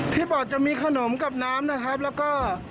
ปอดจะมีขนมกับน้ำนะครับแล้วก็